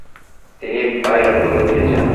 তিনি ভাইরাল করে দিয়েছেন।